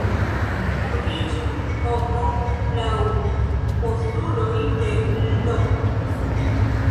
Kurbiĝu hoko laŭ postuloj de l' loko.